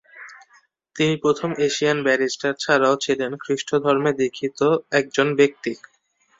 তিনি প্রথম Asian barrister ছাড়াও ছিলেন খ্রীস্ট ধর্মে দীক্ষিত একজন ব্যক্তি।